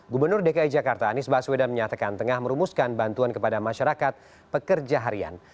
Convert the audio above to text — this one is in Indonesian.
gubernur dki jakarta anies baswedan menyatakan tengah merumuskan bantuan kepada masyarakat pekerja harian